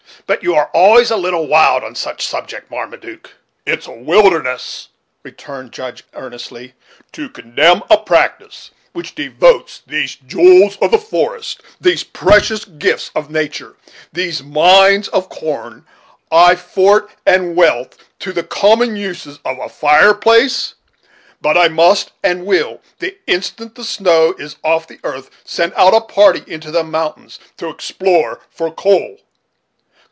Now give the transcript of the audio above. But you are always a little wild on such subject; Marmaduke." "Is it wildness," returned the Judge earnestly, "to condemn a practice which devotes these jewels of the forest, these precious gifts of nature, these mines of corn, forest and wealth, to the common uses of a fireplace? But I must, and will, the instant the snow is off the earth, send out a party into the mountains to explore for coal."